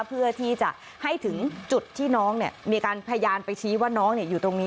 เพื่อที่จะให้ถึงจุดที่น้องมีการพยานไปชี้ว่าน้องอยู่ตรงนี้